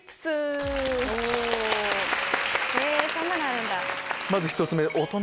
そんなのあるんだ！